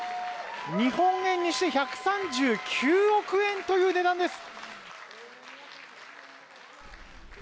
日本円にして１３９億円という値段です！